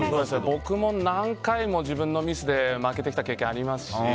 僕も何回も自分のミスで負けてきた経験がありますし。